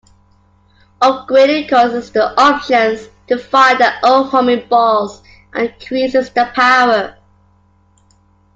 Upgrading causes the options to fire their own homing balls, and increases their power.